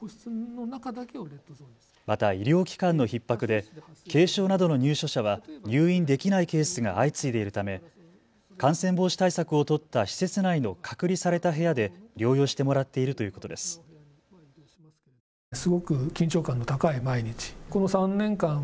また医療機関のひっ迫で軽症などの入所者は入院できないケースが相次いでいるため、感染防止対策を取った施設内の隔離された部屋で療養してもらっているということです。